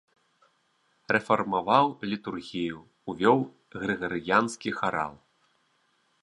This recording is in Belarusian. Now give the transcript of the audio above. Рэфармаваў літургію, увёў грыгарыянскі харал.